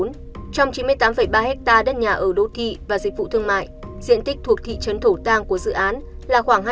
trong chín mươi tám ba ha đất nhà ở đô thị và dịch vụ thương mại diện tích thuộc thị trấn thổ tàng của dự án là khoảng hai mươi bảy hai mươi bốn ha